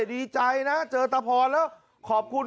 ดีใจนะเจอตะพรแล้วขอบคุณ